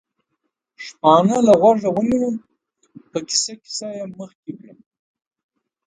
شپانه له غوږه ونیوم، په کیسه کیسه یې مخکې کړم.